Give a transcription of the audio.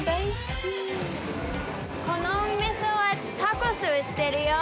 このお店は、タコス売ってるよ。